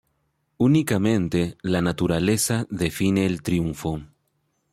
Únicamente la naturaleza define el triunfo.